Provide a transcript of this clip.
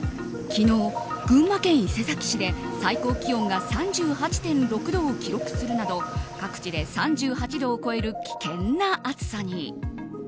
昨日、群馬県伊勢崎市で最高気温が３８．６度を記録するなど各地で３８度を超える危険な暑さに。